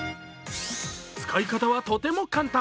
使い方はとても簡単。